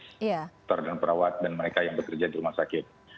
dokter dan perawat dan mereka yang bekerja di rumah sakit